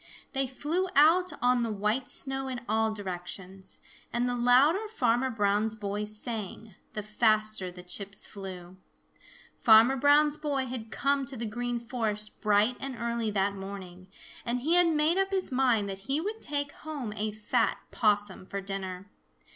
They flew out on the white snow in all directions. And the louder Farmer Brown's boy sang, the faster the chips flew. Farmer Brown's boy had come to the Green Forest bright and early that morning, and he had made up his mind that he would take home a fat Possum for dinner.